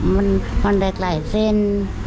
มันได้ไกลเซน